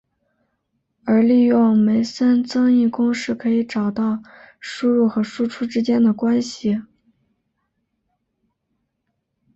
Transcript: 而利用梅森增益公式可以找到输入和输出之间的关系。